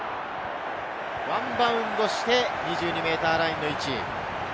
ワンバウンドして２２ｍラインの位置。